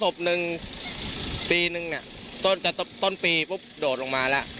ปีนึงเนี่ยต้นต้นปีปุ๊บโดดลงมาแล้ว